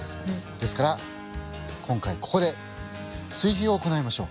ですから今回ここで追肥を行いましょう！